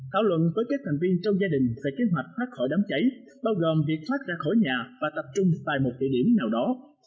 thảo luận với các thành viên trong gia đình về kế hoạch thoát khỏi đám cháy bao gồm việc thoát ra khỏi nhà và tập trung tại một địa điểm nào đó